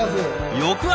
翌朝。